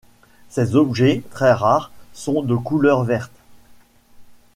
Ces objets, très rares, sont de couleur verte.